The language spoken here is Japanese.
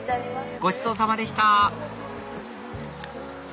ごちそうさまでした！